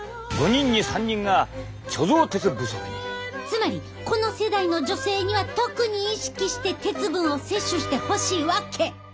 つまりこの世代の女性には特に意識して鉄分を摂取してほしいわけ！